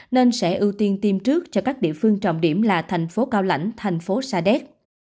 nên sẽ ưu tiên tiêm trước cho các địa phương trọng điểm là thành phố cao lãnh thành phố sa đéc